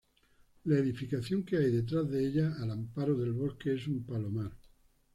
La edificación que hay detrás de ella, al amparo del bosque, es un palomar.